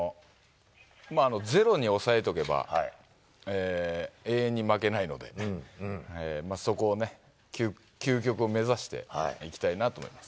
ゼロに抑えとけば永遠に負けないので、そこをね、究極を目指していきたいなと思います。